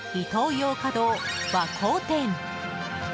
ヨーカドー和光店。